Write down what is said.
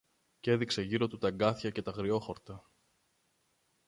Κι έδειξε γύρω του τ' αγκάθια και τ' αγριόχορτα